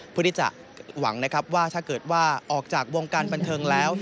เพื่อที่จะหวังนะครับว่าถ้าเกิดว่าออกจากวงการบันเทิงแล้ว